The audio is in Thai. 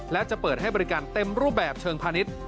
และจะเปิดให้บริการเต็มรูปแบบเชิงพาณิชย์